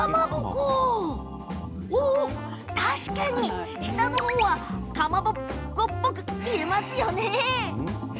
確かに、下の方はかまぼこっぽく見えますね。